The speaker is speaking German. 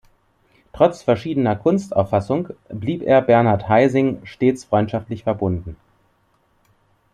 Trotz verschiedener Kunstauffassung blieb er Bernhard Heising stets freundschaftlich verbunden.